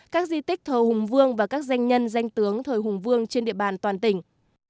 các di tích thờ hùng vương và các danh nhân danh tướng thờ hùng vương trên địa bàn toàn tỉnh